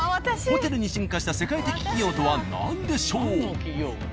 ホテルに進化した世界的企業とは何でしょう？という事で。